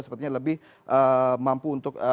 sepertinya lebih mampu untuk